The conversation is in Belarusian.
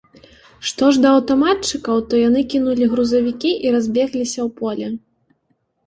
Што ж да аўтаматчыкаў, то яны кінулі грузавікі і разбегліся ў поле.